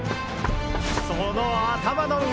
その頭の上！